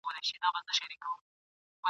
خو قوت یې وو زبېښلی څو کلونو !.